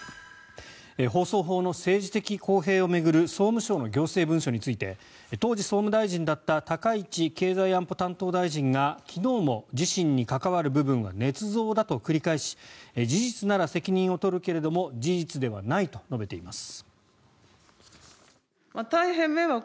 放送法の政治的公平を巡る総務省の行政文書について当時、総務大臣だった高市経済安保担当大臣が昨日も、自身に関わる部分はねつ造だと繰り返し事実なら責任を取るけれども事実ではないと述べています。